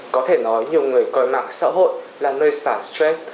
có thể nói nhiều người coi mạng xã hội là nơi sản stress